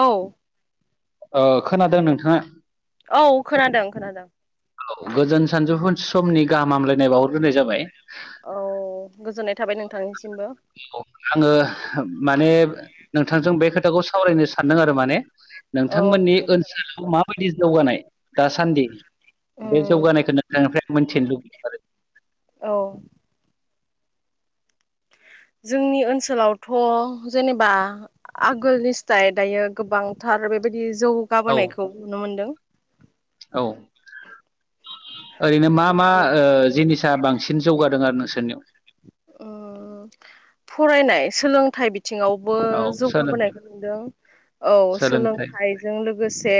औ। ओ खोनादों नोंथाङा। औ खोनादों खोनादों। औ गोजोन सानजौफु समनि गाहाम हामलायनाय बावहरग्रोनाय जाबाय। औ गोजोननाय थाबाय नोंथांनि आङो माने नोंथांजों बे खोथाखौ सावरायनो सानदों आरो माने। औ नोंथांमोननि ओनसोलाव माबायदि जौगानाय दासानदि। बे उम जौगानायखौ नोंथांनिफ्राय मोनथिनो लुबैयो आरो। औ। जोंनि ओनसोलावथ जेनेबा आगोलावनि स्थाय गोबांथार बेबायदि नि आरो जौगाबोनायखौ नुनो मोनदों। औ ओरैनो मा मा ओ जिनिसा बां सिन जौगादों आरो नोंसोरनियाव ओ फरायनाय सोलोंथाइ बि बिथिंङावबो औ सोलों जौगाबोनाय नुदों। औ सोलोंथाइ सोलोंथाइजों लोगोसे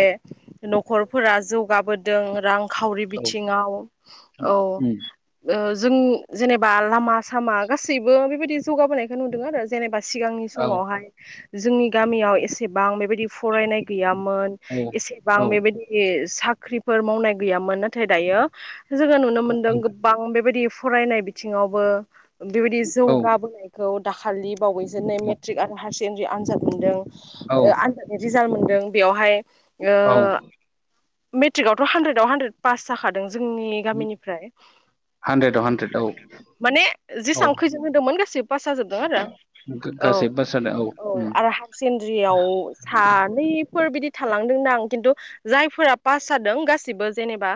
नखर फोरा जौगाबोदों रांखावरि औ बिथिङाव औ उम जों जेनेबा लामा-सामा गासैबो बेबायदि जौगाबोनायखौ नुदों आरो जेनेबा सिगांनि औ समावहाय जोंनि गामियाव एसेबां बेबायदि फरायनाय गैयामोन औ एसेबां औ बेबायदि साख्रिफोर मावनाय गैयामोन, नाथाय दायो जोङो नुनो मोनदों गोबां बेबायदि फरायनाय बिथिङावबो बेबायदि औ जौगाबोनायखौ खालि बावैस नै मेट्रिक आरो हायार सेकेणडारि आनजाद औ मोनदों आनजादनि रिजाल मोनदों बेयावहाय औ ओ मेट्रिकआवथ' हानद्रेदआव हानद्रेद पास जाखादों जोंनि गामिनिफ्राय हानद्रेदाव हानद्रेद औ माने औ जेसां खैजोन होदोंमोन गासैबो पास हाजोबदों आरो गा- गासै बासादा औ औ-औ उम, आरो हायार सेकेन्डारियाव सानैफोर बिदि थालांदों दां किन्तु जायफोरा पास जादों गासिबो जेनेबा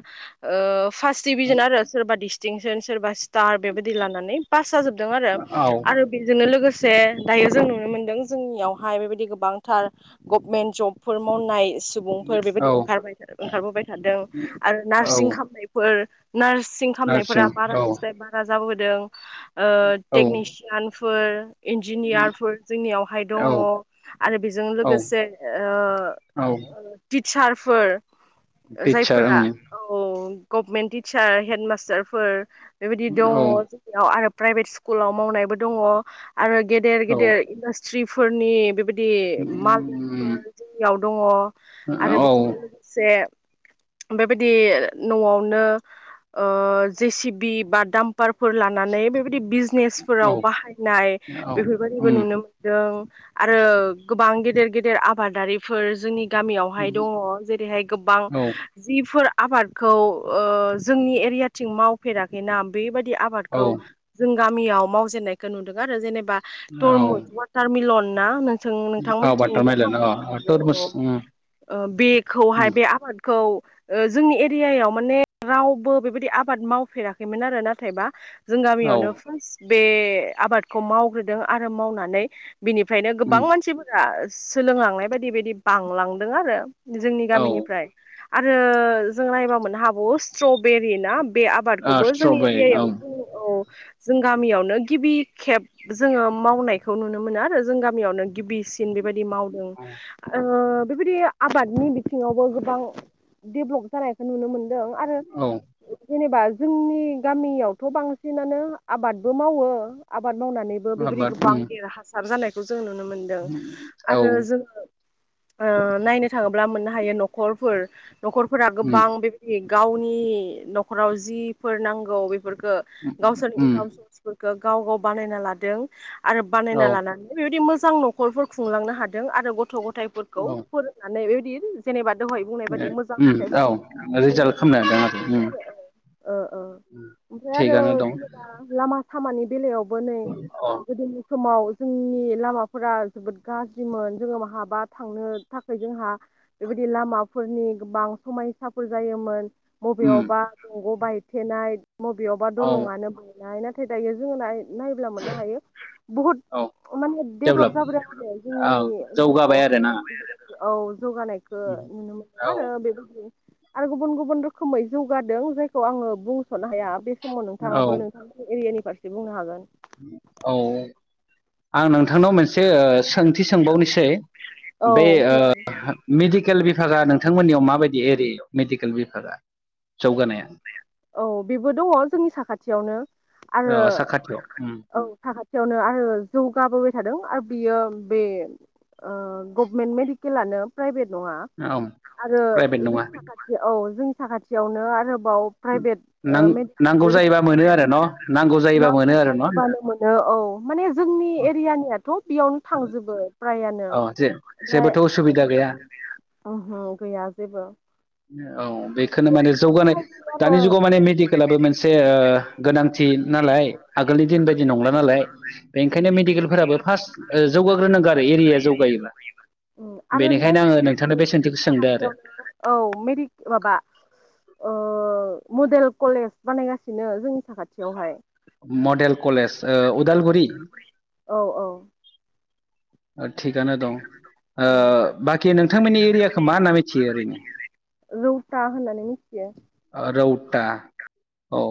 ओ फार्स्ट डिभिजन आरो सोरबा डिस्टिंसन सोरबा बेबायदि लानानै पास जाजोबदों आरो, औ आरो बेजोंनो लोगोसे से दायो जों नुनो मोन्दों जोंनियावहाय बेबायदि गोबांथार गभमेन्ट जबफोर मावनाय सुबुंफोर औ बेबायदि ओंखारबोबाय थादों आरो नारसिं औ खामनायफोर नारसिं नार्सिं खामनायफोरा बारा औ बारा जाबोदों औ टेकनिसियानफोर इन्जिनियारफोर जोंनियावहाय दङ, औ आरो बेजों औ लोगोसे औ टिचारफोर टिचार जायफोरा ओं औ गभमेन्ट टिचार हेडमास्टारफोर बेबायदि दङ औ जोंनियाव आरो प्राइभेट स्कुलाव मावनायबो दङ आरो गेदेर औ गेदेर इन्डास्ट्रिफोरनि बेबायदि बिदि उम, मालिकफोर जोंनियाव दङ आरो औ बेजोंनो लोगोसे बेबायदि न'आवनो जे सि पि बा दामपारफोर लानानै औ बिजनेसफोराव बाहायनाय औ बेफोर बायदिबो उम नुनो मोन्दों आरो गोबां गेदेर गेदेर आबादारिफोर जोंनि गामियावहाय दङ जेरैहाय गोबां औ जिफोर आबादखौ जोंनि एरियाथिं मावफेराखैना बेबायदि औ आबादखौ जों गामियाव मावजेननायखौ नुदों आरो जेनेबा औ तरमुस वाटार मिलन औ नोंथांमोनथिंबो वाटारमेलन खाबु जानो अ तरमुस उम हागौ उम बेखौहाय बे आबादखौ जोंनि एरियायाव माने रावबो बेबायदि आबाद मावफेराखैमोन आरो नाथायबा जों औ गामियावनो फार्स्ट बे आबादखौ मावग्रोदों आरो मावनानै बिनिफ्रायनो उम गोबां मानसिफोरा सोलोंलांनाय बायदि-बायदि बांलांदों आरो जोंनि औ ओ गामिनिफ्राय आरो जों नायबा मोननो हागौ स्ट्रावबेरि ना बे आबाद खौबो जोंनि स्ट्रबेरि औ एरियायाव जों औ जों गामियावनो गिबि खेब जोङो मावनायखौ नुनो मोनो आरो जों गामियावनो गिबिसिन बे बेबायदि मावदों बेबायदि आबादनि बिथिङावबो गोबां डेभ्लप जानायखौ नुनो मोनो दों आरो औ जेनेबा जोंनि गामियावथ' बांसिनानो आबादबो मावो आबाद मावनानैबो बेबायदि आबाद गोबां उम देरहासार जानायखौ जों नुनो मोनदों उम, औ आरो उम जोङो नायनो थाङोब्ला मोननो हायो न'खरफोर, न'खरफोरा उम गोबां बेबायदि गावनि न'खराव जिफोर नांगौ बेफोरफोरखौो गावसोर उम, इनकाम सर्सफोरखौ गाव गाव बानायना लादों आरो औ बानायना लानानै बेबायदि मोज जां न'खरफोर खुंलांनो हादों आरो गथ' गथायफोरखौ औ फोरोंनानै बेबायदि जेनेबा दहाय ए बुंनायबादि मोजां उम फिथाइफोरखौ औ [inaudible] रिजाल्ट खालामनो हादों आरो उम ओ ओ, ओमफ्राय आरो थिगानो दं जेनेबा लामा सामानि बेलायाव बो नै अ गोदोनि समाव जोंनि लामाफोरा जोबोद गाज्रिमोन जोङो माहाबा थांनो थाखाय जोंहा बेबायदि लामाफोरनि गोबां समायसाफोर जायोमोन। उम बबेयावबा दंग' बायथेनाय मबेयावबा औ दलङानो बायनाय ना थाय दायो जोङो नाय-नायोब्ला मोननो हायो बुहुत औ माने डेब्लप डेभलप जाबोदों आरो जोंनि औ जौगाबाय जोंनियावहाय आरोना [inaudible] औ जौगानायखो उम नुनो मोनदों औ आरो बेबायदि आरो गुबुन गुबुन रोखोमै जौगादों जायखौ आङो बुंस'नो हाया बे समाव औ नोंथाङाबो नोंथांनि एरियानि फारसे बुंनो हागोन। औ आं नोंथांनाव मोनसे ओ सोंथि सोंबावनोसै? औ बे संख्रि ओ मेदि केल बिभागा नोंथांमोननियाव माबायदि एरियायाव मेडिकेल बिभागा जौगानाया औ बेबो दङ जोंनि साखाथियावनो आरो औ साखाथियाव उम औ साखाथियावनो आरो जौगाबो थादों आरो बियो बे ओ गभमेन्ट मेडिकेलानो प्राइभेट नङा औ आरो प्राइभेट जोंनि नङा साखाथि औ जोंनि साखाथियावनो आरोबाव प्राइभेट नां ओ मेडिकेल नांगौ बेबायदि जायोबा मोनो सोलिबाय आरो न' दं। जायोबा नांगौ मोनो आरो न' नांगौबानो मोनो औ औ माने जोंनि एरियानियाथ' बेयावनो थांजोबो फ्रायानो। अ जे ओमफ्राय औ जेबोथ' उसुबिदा गैया ओहो गैया जेबो औ बेखौनो माने जौगानाय [unintelligible] दानि जुगाव माने मेडिकेलाबो मोनसे ओ गोनांथि नालाय आगोलनि दिन बायदि नंला नालाय बेनिखायनो मेडिकेलफोराबो फार्स्ट ओ जौगाग्रोनांगौ आरो एरियाया जौगायोब्ला ओम आरो सोंदों आरो [inaudible] औ मेडि माबा [inaudible] ओ मडेल कलेज बानायगासिनो जोंनि साखाथियावहाय मडेल कलेज ओ उदालगुरि औ थिगआनो दं ओ बाखि नोंथांमोननि एरियाखो मा होनना मिथियो ओरैनो रौता होननानै मिथियो ओ रौता औ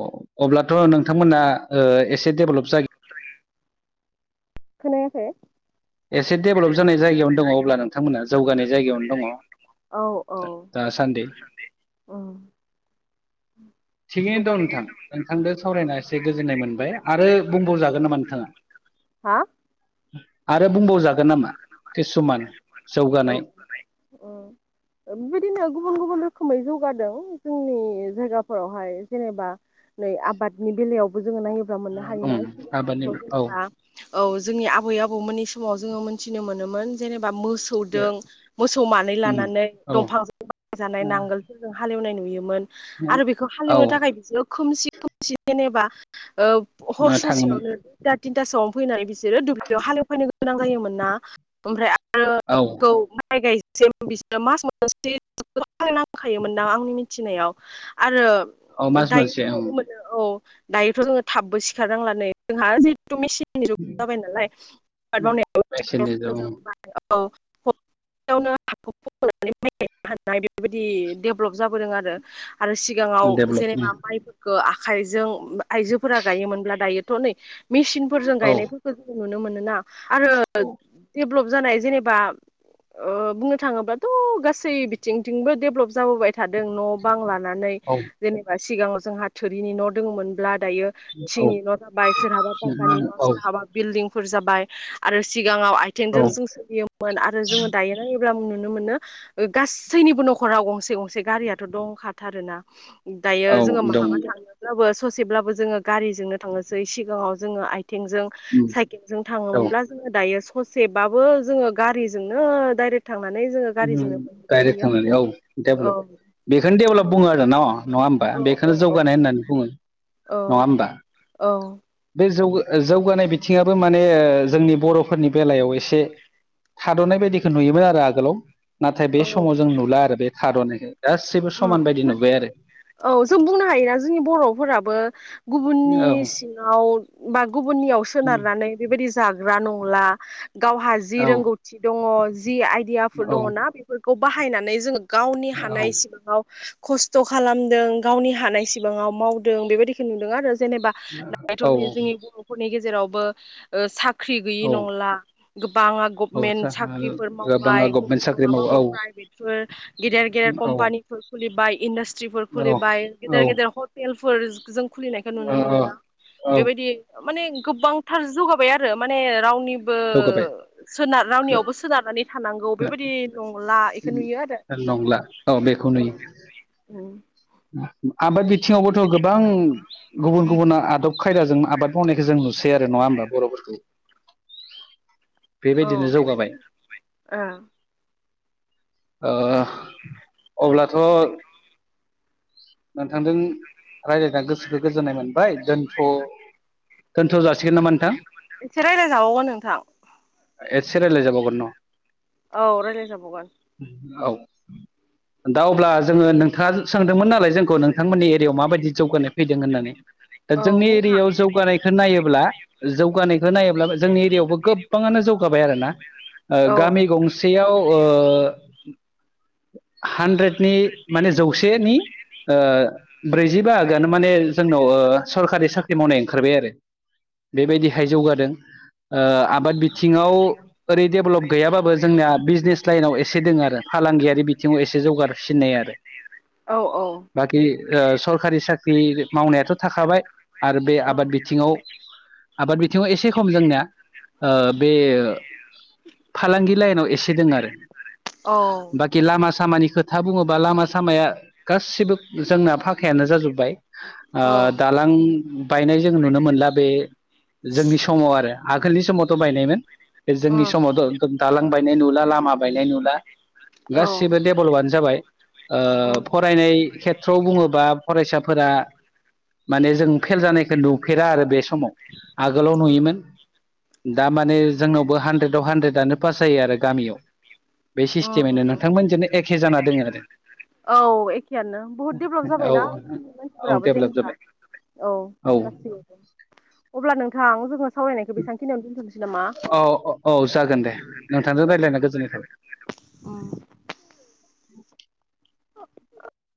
अब्लाथ' नोंथांमोना ओ एसे डेभेलप जाय खोनायाखै? एसे डेभेलप जानाय जायगायावनो दङ अब्ला नोंथांमोनहा जौगानाय जायगायावनो दङ। औ औ ओ दासानदै उम थिगैनो दं जौगानाय नोंथां नोंथांजों सावरायना एसे गोजोननाय मोनबाय आरो बुंबावजागोन नामा नोंथाङा [inaudible] हा? आरो बुंबावजागोन नामा किसुमान जौगानाय ओ ओ बिदिनो गुबुन गुबुन रोखोम मै जौगादों जोंनि जायगाफोरावहाय जेनेबा नै आबादनि बेलायावबो जों नायोब्ला मोननो उम हायोना सिगाङावथ' आबादनि औ जेनेबा औ जोंनि आबै आबौ मोननि समाव जोङो मोनथिनो मोनोमोन जेनेब बा मोसौदों मोसौ मानै उम लानानै औ दंफांजों बाय जानाय नांगोलफोरजों हालेवनाय नुयोमोन आरो बेखौ औ हालेवनो थाखाय बिसोरो खोमसि खोमसि जेनेबा ओ हर थाङोमोन ससेयावनो दुइता थिनथासोआवनो फैनानै बिसोरो दुब्लियाव हालेवफैनो गोनां जायोमोन ना ओमफ्राय [unintelligible] औ [unintelligible] नांखायोमोनना आंनि मिनथिनायाव आरो औ मास दायो मोनसे जों ओं नुनो मोनो औ दायोथ' जोङो थाबबो सिखारनांला न जोंहा जिहेथु मिसिननि जुग जाबाय नालाय [unintelligible] पेसेन्जर औ बेयावनो हाखौ फखनानै माइ गायनो हानाय बेफोरबायदि डेभलप जाबोदों आरो आरो सिगाङाव डेभलप जेनेबा माइफोरखो आखाइजों आइजोफोरा गायोमोनब्ला दायोथ' नै मेसिनफोरजों औ गायनायफोरखौ जों नुनो मोनो। ना आरो डेभेलप जानाय जेनेबा। ओ बुंनो थाङोबाथ' गासै बिथिंथिंबो डेभेलप जाबोबाय थादों न' बांला। नानै औ जेनेबा सिगांवाव जोंहा थोरिनि न' दोङो मोनब्ला। दायो थिंनि न' जाबाय सोराबा पाक्कानि न' औ सोराबा बिल्दिंफोर जाबाय आरो सि सिगाङाव औ आथिंजों जों सोलियोमोन आरो जोङो दायो नायो। ब्ला नुनो मोनो ओ गासैनिबो न'खराव गंसे गंसे गारियाथ' दंखाथार ना। दायो औ जोङो दं माहाबा थांनोब्लाबो ससेब्लाबो जोङो गारिजोंनो थांनोसै सिगाङाव जोङो आय थेंजों साइकेलजों दं औ थाङोमोनब्ला जों दा दायो ससेबाबो जोङो गारिजोंनो दाइरेक थांनानै जोङो गारिजोंनो मोनहै डाइरेक्ट खायो थांनानै औ आरो डेभलप औ। बेखौनो डेभेलप बुङो आरो न' नङा होमबा औ औ बेखौनो औ जौगानाय होननानै बुङो। औ औ। जौगो जौगानाय बिथिङाबो माने ओ जोंनि बर'फोरनि बेलायाव एसे। थाद'नाय बायदिखो नुयोमोन आरो आगोलाव नाथाय बे समाव जों नुला आरो बे थाद'नायखो। गासिबो औ समान बायदि नुबाय आरो। औ जों बुंनो हायोना जोंनि बर'फोराबो गुबुननि आरो सिङाव। बा गुबुननियाव सोनारनानै बेबायदि जाग्रा नंला। गावहा जि औ रोंगौथि दङ जि आइडियाफोर औ दङ ना बेफोरखौ बाहायनानै जोङो गावनि औ हानाय सिबां खस्थ' खालामदों गावनि हानाय सिबाङाव मावदों बेबायदिखौ नुदों आरो। जेनेबा दाथ' औ नै जोंनि बर'फोरनि गेजेरावबो ओ सा ख्रि गैयि औ नंला गोबाङा गभमेन्ट साख्रिफोर गोबाङा मावबाय गभमेन्ट साख्रि मावो नङाबाब औ प्राय [unintelligible] गेदेर गेदेर औ कमपानि। खुलिबाय इन्डास्ट्रिफोर औ खुलिबाय औ गेदेर गेदेर हटेलफोर जों खुलिनायखौ नुनो औ मोनोना। औ बेबायदि माने गोबांथार जौगाबाय आरो माने रावनि बो जौगाबाय सोनार रावनियावबो सोनारनानै थानांगौ बेबायदि नंला इखो नुयो आरो। नंला औ बे। औ ओम। आबाद बिथिङावबोथ' गोबां गुबुन गुबुन आदब। खायदाजों आबाद मावनायखौ जों नुसै आरो नङा होमबा बर'फोरखौ। औ बेबायदिनो जौगाबाय। औ ओ अब्लाथ'। नोंथांजों रायज्लायना गोसोखौ गोजोननाय मोनबाय दोनथ'। दोनथ जासिगोन नामा नोंथां। एसे रायज्लायजाबावगोन नोंथां। एसे रायलायजाबाव गोन न। औ रायलायजाबगोन। औ दा अब्ला जोङो नोंथाङा सोंदोंमोन ना। फोलाय जोंखौ नोंथांमोननि एरियायाव माबायदि जौगानाय फैदों होननानै। ओ औ जोंनि बुंनो एरियायाव हागोन जौगानायखौ नायोब्ला जौगानाय होननायोब्ला जोंनि एरियायावबो गोबाङानो जौगाबाय आरोना ओ औ गामि गंसेयाव ओ ओ हानद्रेदनि माने जौसेनि। ओ ब्रैजि बाहागो आनो माने जोंनाव ओ सरखारि साख्रि मावनाय ओंखारबाय आरो। बेबायदिहाय जौगादों। ओ आबाद बिथिङाव ओरै डेभेलप गैयाबाबो जोंनिया बिजनेस लाइनाव एसे दोङो आरो। फालांगियारि बिथिङाव एसे जौगारसिननाय आरो। औ औ। बाखि ओ सरखारि साख्रि मावनायाथ' थाखाबाय। आरो बे आबाद बिथिङाव। आबाद बिथिङाव एसे खम जोंनिया ओ बे फालांगि लाइनाव एसे दों आरो औ बाखि लामा सामानि खोथा बुङोबा लामा सामाया गासिबो जोंना फाखायानो जाजोब्बाय। उम औ ओ दालां बायनाय जों नुनो मोनला बे जोंनि समाव आरो आगोलनि समावथ बायनायमोन बे जोंनि उम समावथ दालां बायनाय नुला लामा बायनाय नुला। गासिबो उम डेब्लबानो जाबाय ओ फरायनाय खेथ थ्रयाव बुङोबा फरायसाफोरा माने जों फेल जानायखो नुफेरा आरो बे समाव आगोलाव नुयोमोन। दा माने जोंनावबो हानद्रेदयाव हानद्रेदानो पास जायो आरो गामियाव बे अ सिस्टेमैनो नोंथांमोनजोंनो एखे जाना दोङो आरो औ एखेयानो। बुहुद डेभलप औ जाबायना औ मानसिफ्राबो डेभेलप जेनेबा जाबाय औ गासैआवबो। अब्ला नोंथां जोङो सावरायनायखौ बेसांखिनियाव दोनथनोसै। नामा अ औ जागोन दे नोंथांजों औ रायलायना गोजोननाय थाबाय। उम [inaudible] [unintelligible]